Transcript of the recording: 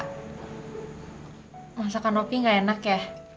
kak masakan kopi gak enak ya